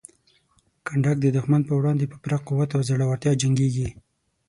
کنډک د دښمن په وړاندې په پوره قوت او زړورتیا جنګیږي.